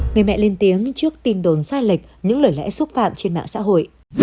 người mẹ lên tiếng trước tin đồn sai lệch những lời lẽ xúc phạm trên mạng xã hội